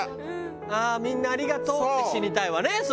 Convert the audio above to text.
「ああみんなありがとう」って死にたいわね